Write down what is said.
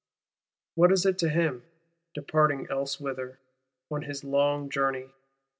What is it to him, departing elsewhither, on his long journey?